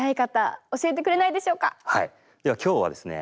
では今日はですね